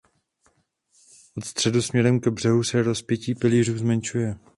Od středu směrem ke břehu se rozpětí pilířů zmenšuje.